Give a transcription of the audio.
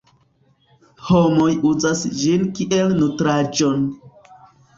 Homoj uzas ĝin kiel nutraĵon.